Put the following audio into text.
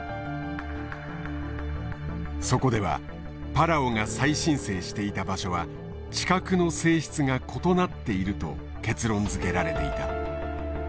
そこではパラオが再申請していた場所は地殻の性質が異なっていると結論づけられていた。